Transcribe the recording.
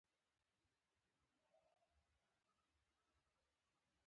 مننه، ډېره زیاته مننه، اغلې، بس همدومره و.